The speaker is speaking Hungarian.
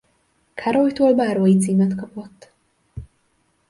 Károlytól bárói címet kapott.